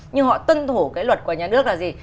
nhưng họ tuân thủ cái luật của nhà nước là gì